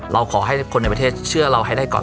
เราขอให้คนในประเทศเชื่อเราให้ได้ก่อน